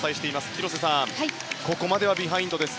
広瀬さん、ここまではビハインドです。